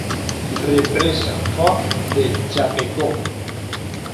Represa Foz de Chapecó